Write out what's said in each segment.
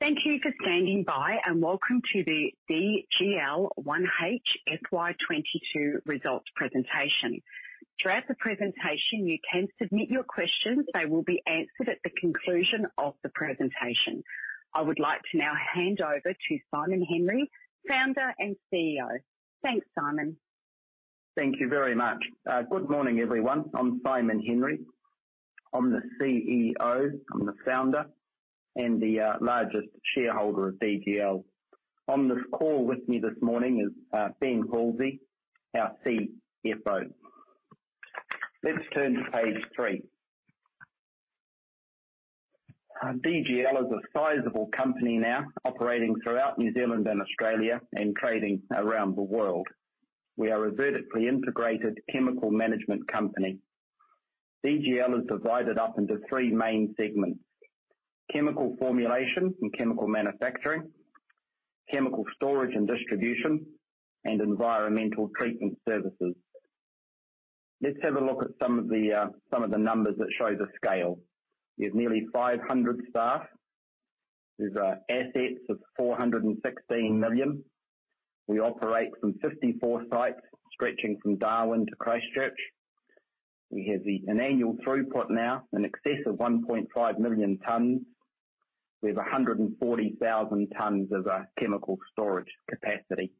Thank you for standing by, and welcome to the DGL 1H FY 2022 results presentation. Throughout the presentation, you can submit your questions. They will be answered at the conclusion of the presentation. I would like to now hand over to Simon Henry, Founder and CEO. Thanks, Simon. Thank you very much. Good morning, everyone. I'm Simon Henry. I'm the CEO, I'm the Founder, and the largest shareholder of DGL. On this call with me this morning is Ben Halsey, our CFO. Let's turn to page three. DGL is a sizable company now operating throughout New Zealand and Australia and trading around the world. We are a vertically integrated chemical management company. DGL is divided up into three main segments: chemical formulation and chemical manufacturing, chemical storage and distribution, and environmental treatment services. Let's have a look at some of the numbers that show the scale. We have nearly 500 staff. There's assets of 416 million. We operate from 54 sites stretching from Darwin to Christchurch. We have an annual throughput now in excess of 1.5 million tons. We have 140,000 tons of chemical storage capacity.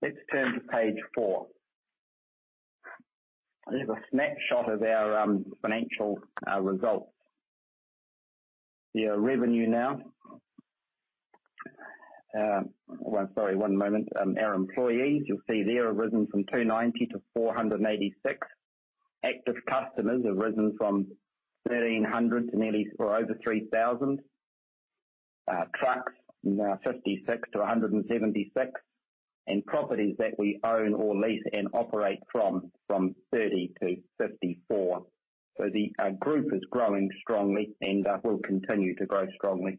Let's turn to page four. There's a snapshot of our financial results. Revenue now, sorry, one moment. Our employees, you'll see there, have risen from 290 to 486. Active customers have risen from 1,300 to nearly, to over 3,000. Trucks now 56 to 176. Properties that we own or lease and operate from 30 to 54. The group is growing strongly and will continue to grow strongly.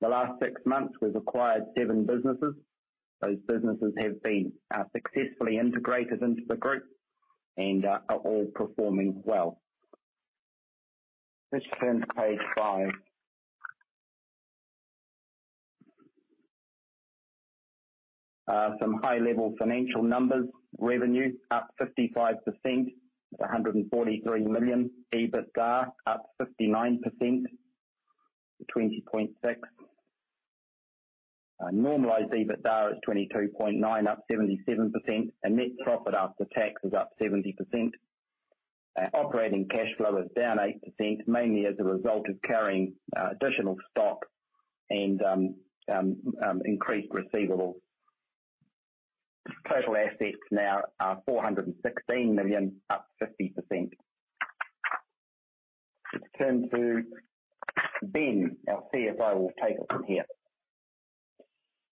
The last six months we've acquired seven businesses. Those businesses have been successfully integrated into the group and are all performing well. Let's turn to page five. Some high-level financial numbers. Revenue up 55% to 143 million. EBITDA up 59% to 20.6. Normalized EBITDA is 22.9, up 77%. Net profit after tax is up 70%. Operating cash flow is down 8%, mainly as a result of carrying additional stock and increased receivables. Total assets now are 416 million, up 50%. Let's turn to Ben. Our CFO will take it from here.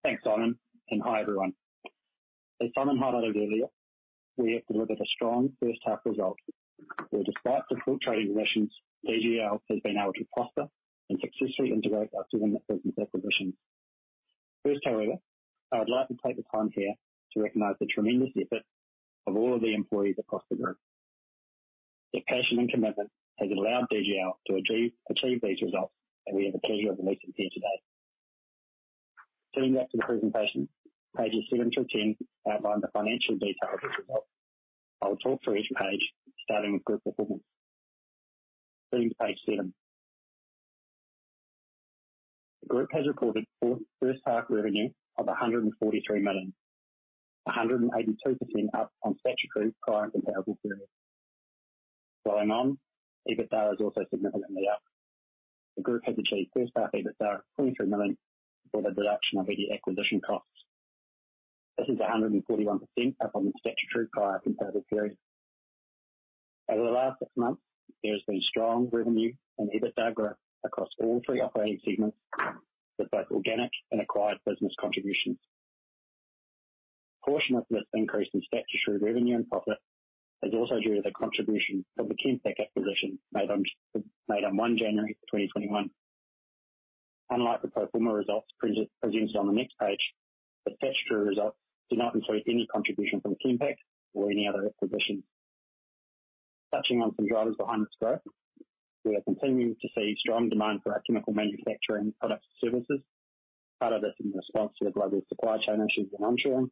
Thanks, Simon, and hi, everyone. As Simon highlighted earlier, we have noted a strong first half result where, despite difficult trading conditions, DGL has been able to prosper and successfully integrate our two recent acquisitions. First, however, I would like to take the time here to recognize the tremendous effort of all of the employees across the group. Their passion and commitment has allowed DGL to achieve these results that we have the pleasure of releasing here today. Turning back to the presentation, pages seven to 10 outline the financial detail of the results. I will talk through each page, starting with group performance. Turning to page seven. The group has reported full first half revenue of 143 million, 182% up on statutory prior comparable period. Following on, EBITDA is also significantly up. The group has achieved first half EBITDA of 23 million before the deduction of any acquisition costs. This is 141% up on the statutory prior comparable period. Over the last six months, there's been strong revenue and EBITDA growth across all three operating segments with both organic and acquired business contributions. A portion of this increase in statutory revenue and profit is also due to the contribution of the Chem Pack acquisition made on 1 January 2021. Unlike the pro forma results presented on the next page, the statutory results do not include any contribution from Chem Pack or any other acquisitions. Touching on some drivers behind this growth, we are continuing to see strong demand for our chemical manufacturing products and services. Part of this in response to the global supply chain issues and onshoring,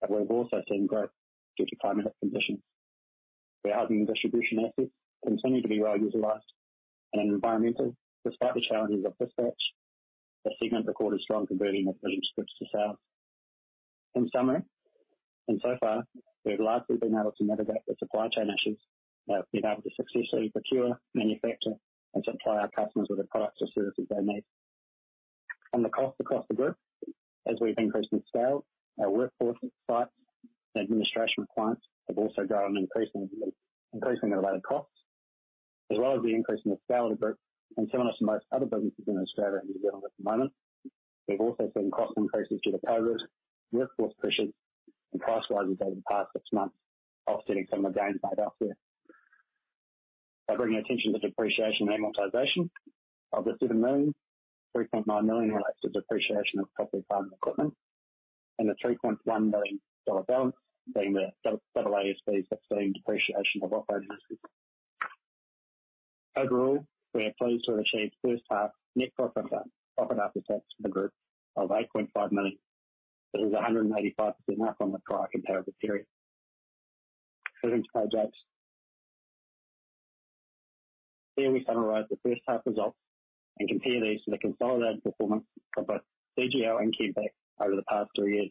but we've also seen growth due to climate conditions. We're having the distribution assets continue to be well-utilized. Environmental, despite the challenges of this past, the segment recorded strong converting of building scrips to sales. In summary, and so far, we've largely been able to navigate the supply chain issues. We have been able to successfully procure, manufacture, and supply our customers with the products or services they need. On the cost across the group, as we've increased in scale, our workforce at sites and administration requirements have also grown, increasing the related costs. As well as the increase in the scale of the group and similar to most other businesses in Australia and New Zealand at the moment, we've also seen cost increases due to COVID, workforce pressures, and price rises over the past six months, offsetting some of the gains made elsewhere. I bring your attention to depreciation and amortization. Of the 7 million, 3.9 million relates to the depreciation of property, plant, and equipment. The 3.1 million dollar balance being the AASB 16 depreciation of operating leases. Overall, we are pleased to have achieved first half net profit after tax to the group of 8.5 million. That is 185% up on the prior comparable period. Turning to projects. Here we summarize the first half results and compare these to the consolidated performance of both DGL and Chem Pack over the past three years.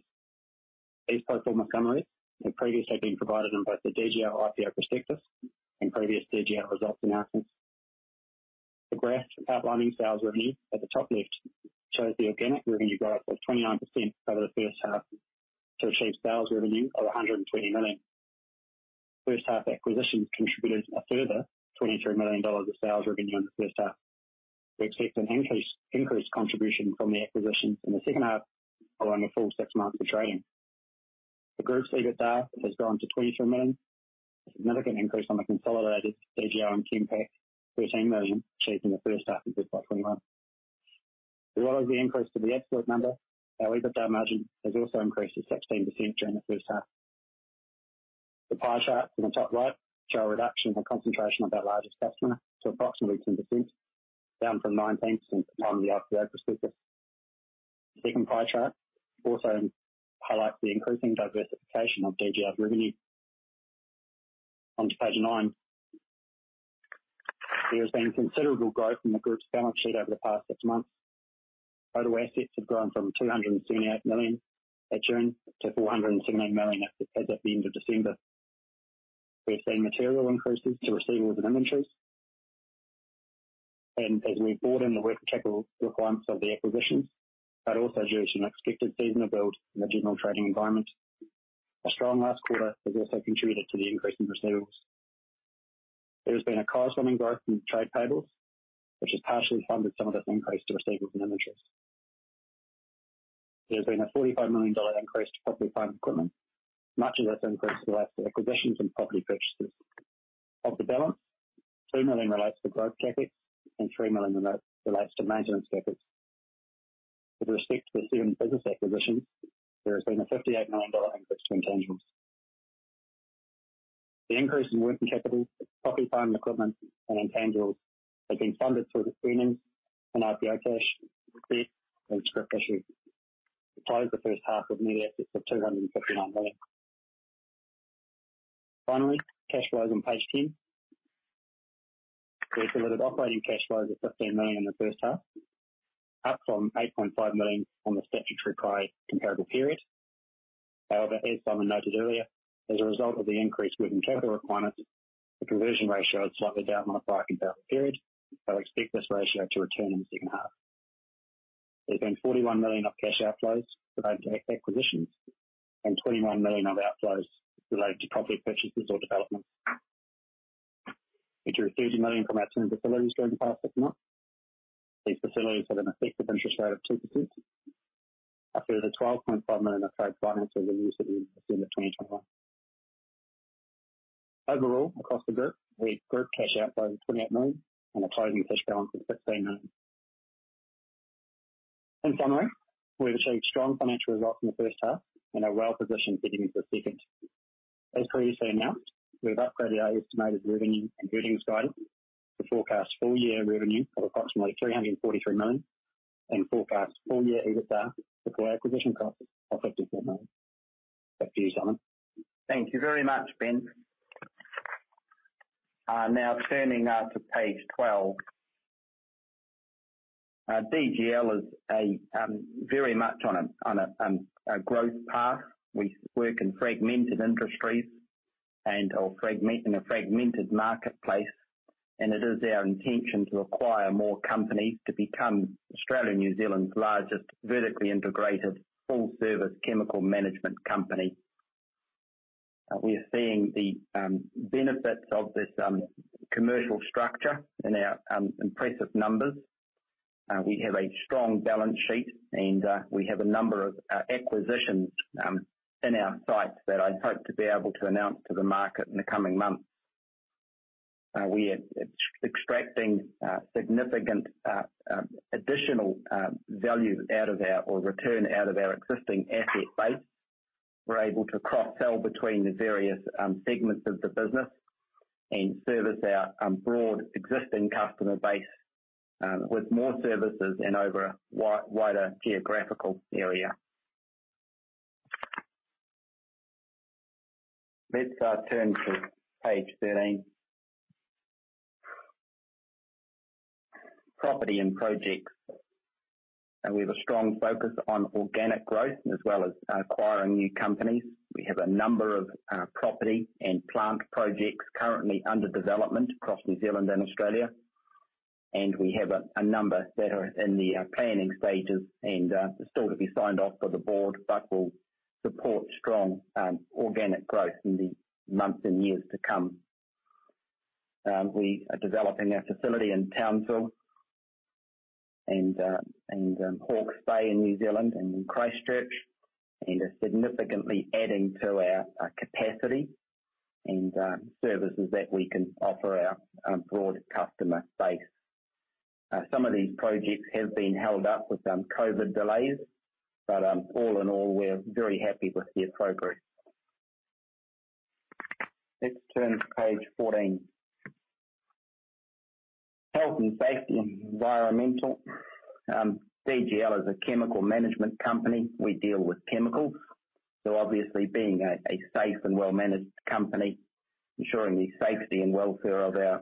These performance summaries have previously been provided in both the DGL IPO prospectus and previous DGL results announcements. The graph outlining sales revenue at the top left shows the organic revenue growth of 29% over the first half to achieve sales revenue of 120 million. First half acquisitions contributed a further 23 million dollars of sales revenue in the first half. We expect an increased contribution from the acquisitions in the second half following a full six months of trading. The group's EBITDA has grown to 23 million, a significant increase on the consolidated DGL and Chem Pack 13 million achieved in the first half of 2021. As well as the increase to the absolute number, our EBITDA margin has also increased to 16% during the first half. The pie chart in the top right shows a reduction in concentration of our largest customer to approximately 10%, down from 19% at the time of the IPO prospectus. The second pie chart also highlights the increasing diversification of DGL's revenue. On to page nine. There has been considerable growth in the group's balance sheet over the past six months. Total assets have grown from 278 million at June to 417 million as at the end of December. We're seeing material increases to receivables and inventories. As we've brought in the working capital requirements of the acquisitions, but also due to an expected seasonal build in the general trading environment. A strong last quarter has also contributed to the increase in receivables. There has been a corresponding growth in trade payables, which has partially funded some of this increase to receivables and inventories. There's been an AUD 45 million increase to property, plant and equipment. Much of this increase relates to acquisitions and property purchases. Of the balance, 2 million relates to growth CapEx and 3 million relates to maintenance CapEx. With respect to the seven business acquisitions, there has been an 58 million dollar increase to intangibles. The increase in working capital, property, plant and equipment and intangibles have been funded through the premiums and IPO cash raised and scrip issue. We closed the first half with net assets of 259 million. Finally, cash flows on page 10. We delivered operating cash flows of 15 million in the first half, up from 8.5 million on the statutory prior comparable period. However, as Simon noted earlier, as a result of the increased working capital requirements, the conversion ratio is slightly down on the prior comparable period. I expect this ratio to return in the second half. There's been 41 million of cash outflows related to acquisitions and 21 million of outflows related to property purchases or developments. We drew 30 million from our term facilities during the past six months. These facilities have an effective interest rate of 2%. After the AUD 12.5 million of trade finance used at the end of 2021. Overall, across the group, the group cash outflow was 28 million and a closing cash balance of 15 million. In summary, we've achieved strong financial results in the first half and are well-positioned heading into the second. As previously announced, we've upgraded our estimated revenue and earnings guidance to forecast full year revenue of approximately 343 million and forecast full year EBITDA before acquisition costs of 54 million. Back to you, Simon. Thank you very much, Ben. Now turning to page 12. DGL is very much on a growth path. We work in fragmented industries and in a fragmented marketplace, and it is our intention to acquire more companies to become Australia and New Zealand's largest vertically integrated full-service chemical management company. We are seeing the benefits of this commercial structure in our impressive numbers. We have a strong balance sheet and we have a number of acquisitions in our sights that I hope to be able to announce to the market in the coming months. We are extracting significant additional value out of our or return out of our existing asset base. We're able to cross-sell between the various segments of the business and service our broad existing customer base with more services and over a wider geographical area. Let's turn to page 13. Property and projects. We have a strong focus on organic growth as well as acquiring new companies. We have a number of property and plant projects currently under development across New Zealand and Australia. We have a number that are in the planning stages and still to be signed off by the board, but will support strong organic growth in the months and years to come. We are developing our facility in Townsville and Hawke's Bay in New Zealand and in Christchurch, and are significantly adding to our capacity and services that we can offer our broad customer base. Some of these projects have been held up with some COVID delays, but all in all, we're very happy with the progress. Let's turn to page 14. Health and safety and environmental. DGL is a chemical management company. We deal with chemicals. So obviously being a safe and well-managed company, ensuring the safety and welfare of our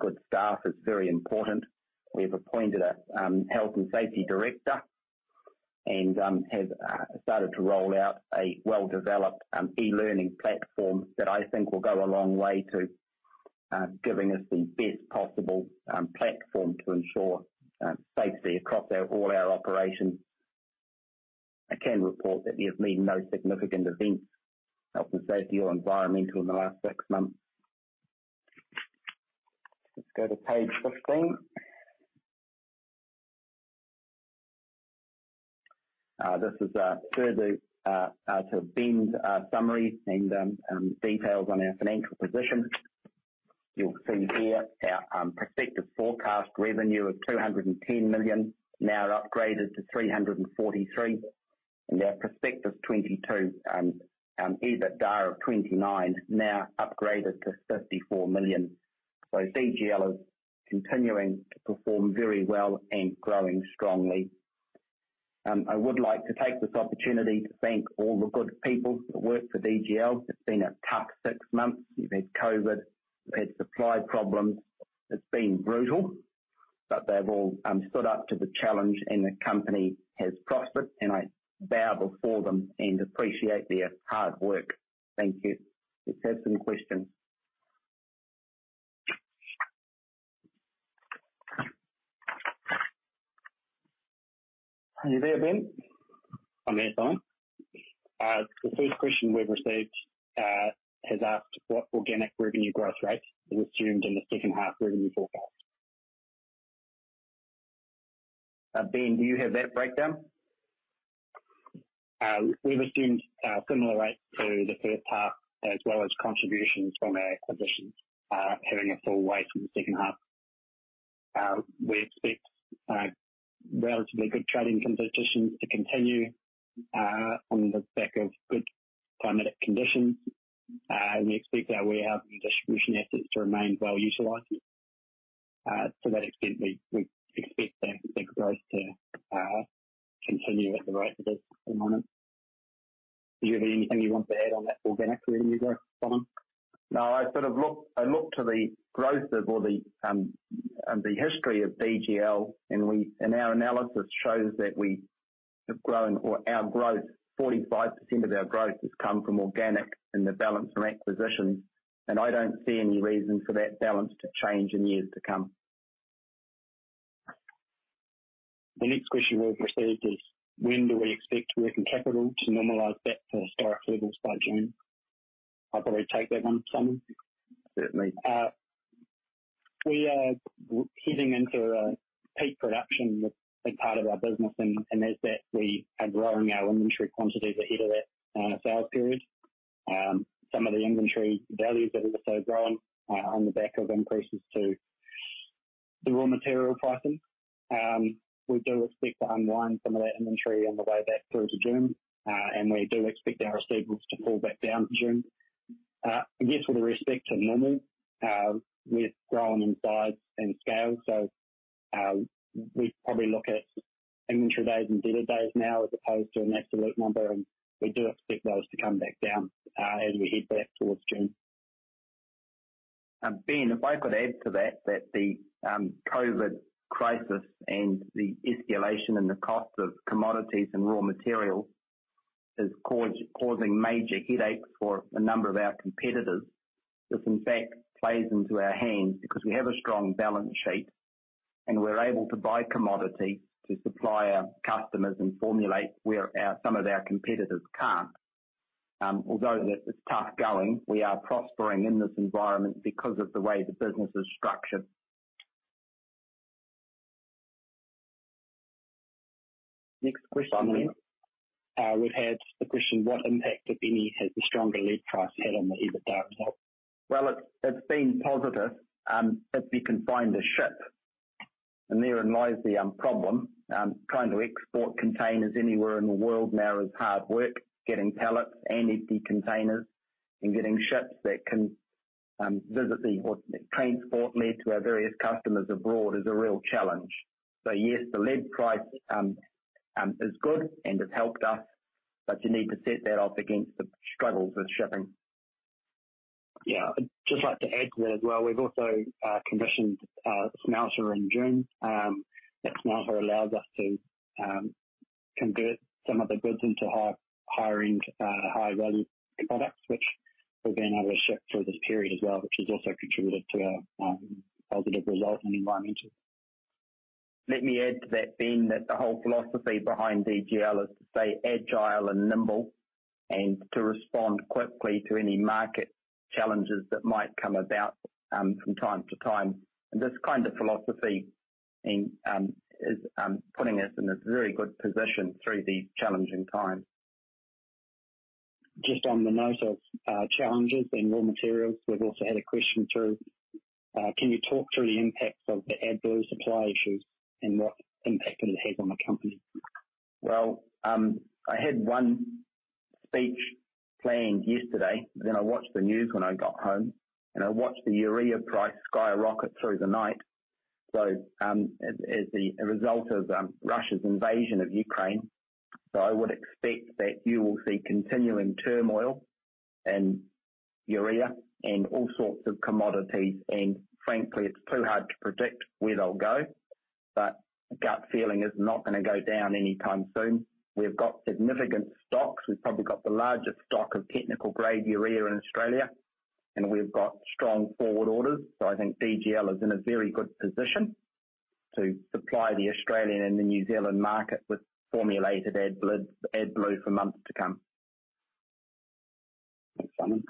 good staff is very important. We've appointed a health and safety director and have started to roll out a well-developed e-learning platform that I think will go a long way to giving us the best possible platform to ensure safety across all our operations. I can report that there have been no significant events, health and safety or environmental, in the last six months. Let's go to page 15. This is further to Ben's summaries and details on our financial position. You'll see here our prospective forecast revenue of 210 million now upgraded to 343 million. Our prospectus 2022 EBITDA of 29 million now upgraded to 54 million. DGL is continuing to perform very well and growing strongly. I would like to take this opportunity to thank all the good people that work for DGL. It's been a tough six months. We've had COVID, we've had supply problems. It's been brutal, but they've all stood up to the challenge and the company has prospered, and I bow before them and appreciate their hard work. Thank you. Let's have some questions. Are you there, Ben? I'm here, Simon. The first question we've received has asked what organic revenue growth rate is assumed in the second half revenue forecast. Ben, do you have that breakdown? We've assumed a similar rate to the first half as well as contributions from our acquisitions, having a full weight in the second half. We expect relatively good trading competition to continue on the back of good climatic conditions. We expect our warehouse and distribution assets to remain well-utilized. To that extent, we expect that growth to continue at the rate that it's been on. Do you have anything you want to add on that organic revenue growth, Simon? No, I look to the history of DGL and our analysis shows that 45% of our growth has come from organic and the balance from acquisitions. I don't see any reason for that balance to change in years to come. The next question we've received is, when do we expect working capital to normalize back to historic levels by June? I'll probably take that one, Simon. Certainly. We are heading into a peak production with a big part of our business and as that we are growing our inventory quantities ahead of that sales period. Some of the inventory values have also grown on the back of increases to the raw material pricing. We do expect to unwind some of that inventory on the way back through to June. We do expect our receivables to fall back down to June. I guess with respect to normal, we've grown in size and scale, so we probably look at inventory days and dealer days now as opposed to an absolute number, and we do expect those to come back down as we head back towards June. Ben, if I could add to that the COVID crisis and the escalation in the cost of commodities and raw materials is causing major headaches for a number of our competitors. This in fact plays into our hands because we have a strong balance sheet, and we're able to buy commodity to supply our customers and formulate where our, some of our competitors can't. Although that is tough going, we are prospering in this environment because of the way the business is structured. Next question. We've had the question, what impact, if any, has the stronger lead price had on the EBITDA results? Well, it's been positive, if you can find a ship. Therein lies the problem. Trying to export containers anywhere in the world now is hard work. Getting pallets and empty containers and getting ships that can transport lead to our various customers abroad is a real challenge. Yes, the lead price is good and has helped us, but you need to set that up against the struggles of shipping. Yeah. I'd just like to add to that as well. We've also commissioned a smelter in June. That smelter allows us to convert some of the goods into higher end high value products, which we've been able to ship through this period as well, which has also contributed to our positive result in environmental. Let me add to that, Ben, that the whole philosophy behind DGL is to stay agile and nimble and to respond quickly to any market challenges that might come about, from time to time. This kind of philosophy is putting us in a very good position through these challenging times. Just on the note of, challenges and raw materials, we've also had a question through, can you talk through the impacts of the AdBlue supply issues and what impact it has on the company? Well, I had one speech planned yesterday, then I watched the news when I got home, and I watched the urea price skyrocket through the night as the result of Russia's invasion of Ukraine. I would expect that you will see continuing turmoil and urea and all sorts of commodities. Frankly, it's too hard to predict where they'll go. Gut feeling, it's not gonna go down anytime soon. We've got significant stocks. We've probably got the largest stock of technical-grade urea in Australia, and we've got strong forward orders. I think DGL is in a very good position to supply the Australian and the New Zealand market with formulated AdBlue for months to come. Thanks, Simon.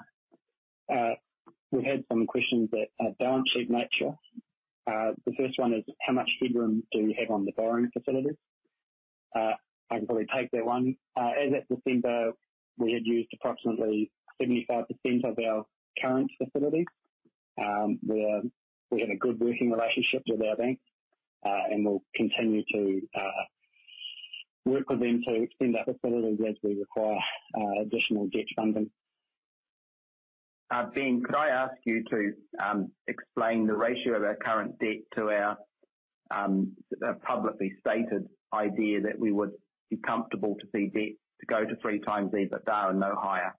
We had some questions that are of a balance sheet nature. The first one is how much headroom do you have on the borrowing facility? I can probably take that one. As at December, we had used approximately 75% of our current facility. We have a good working relationship with our bank, and we'll continue to work with them to extend our facilities as we require additional debt funding. Ben, could I ask you to explain the ratio of our current debt to our publicly stated idea that we would be comfortable to see debt to go to 3x EBITDA and no higher?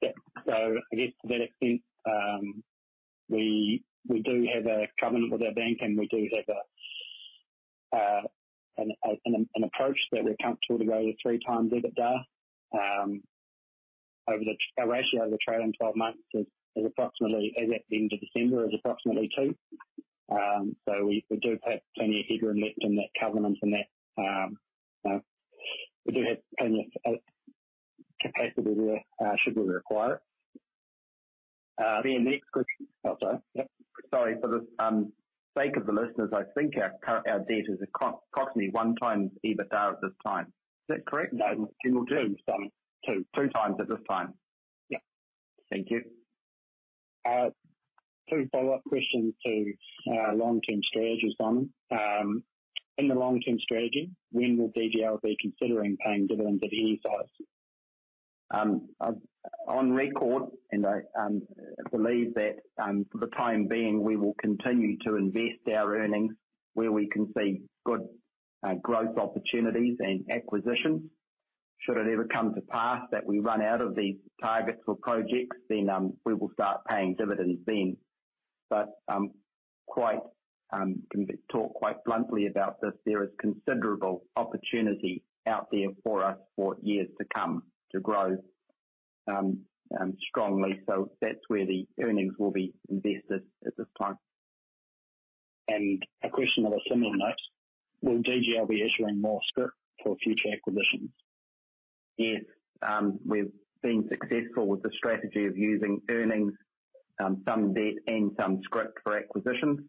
Yeah. I guess to that extent, we do have a covenant with our bank, and we do have an approach that we're comfortable to go to 3x EBITDA. Our ratio over the trailing 12 months is approximately, as at the end of December is approximately 2. We do have plenty of headroom left in that covenant and that, we do have plenty of capacity there should we require it. The next question. Oh, sorry. Sorry. For the sake of the listeners, I think our current debt is approximately 1x EBITDA at this time. Is that correct? No, it's 2, Simon, 2. 2x at this time. Yeah. Thank you. Two follow-up questions to long-term strategies, Simon. In the long-term strategy, when will DGL be considering paying dividends of any size? On record, and I believe that for the time being we will continue to invest our earnings where we can see good growth opportunities and acquisitions. Should it ever come to pass that we run out of these targets or projects, then we will start paying dividends then. We can talk quite bluntly about this, there is considerable opportunity out there for us for years to come to grow strongly. That's where the earnings will be invested at this time. A question of a similar note: Will DGL be issuing more scrip for future acquisitions? Yes. We've been successful with the strategy of using earnings, some debt and some scrip for acquisitions,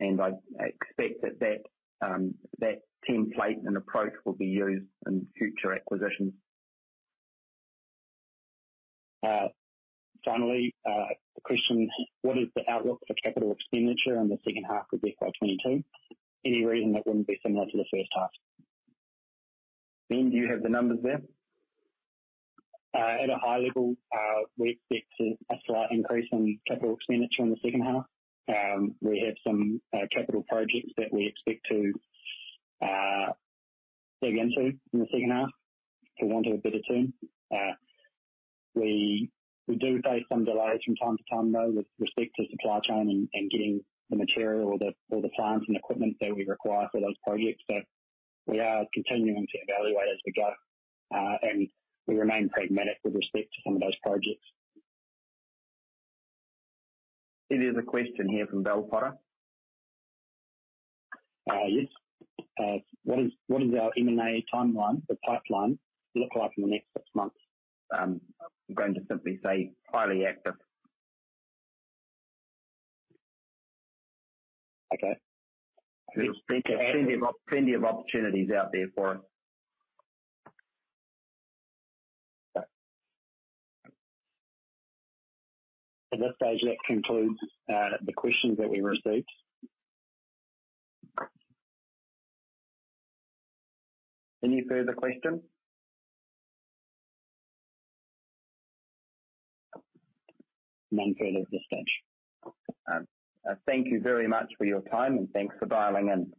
and I expect that template and approach will be used in future acquisitions. Finally, the question: What is the outlook for capital expenditure in the second half of FY 2022? Any reason that wouldn't be similar to the first half? Ben, do you have the numbers there? At a high level, we expect a slight increase in capital expenditure in the second half. We have some capital projects that we expect to dig into in the second half, for want of a better term. We do face some delays from time to time, though, with respect to supply chain and getting the material or the plants and equipment that we require for those projects. We are continuing to evaluate as we go, and we remain pragmatic with respect to some of those projects. There is a question here from Bell Potter. Yes. What is our M&A timeline, or pipeline look like in the next six months? I'm going to simply say highly active. Okay. There's plenty of opportunities out there for us. Okay. At this stage, that concludes the questions that we received. Any further questions? None further at this stage. Thank you very much for your time and thanks for dialing in.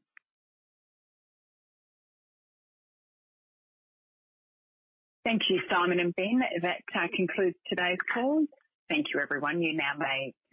Thank you, Simon and Ben. That concludes today's call. Thank you everyone. You now may disconnect.